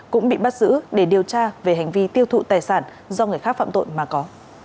cũng bị bắt giữ để điều tra về hành vi tiêu thụ tài sản do người khác phạm tội mà có